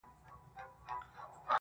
څنگه دي د زړه سيند ته غوټه سمه,